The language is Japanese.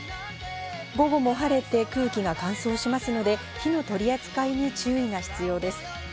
午後も晴れて空気が乾燥しますので火の取り扱いに注意が必要です。